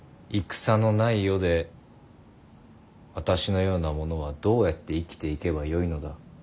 戦のない世で私のような者はどうやって生きていけばよいのだ。